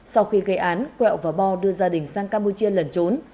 sau khi gây án quẹo và bo đưa gia đình sang campuchia lẩn trốn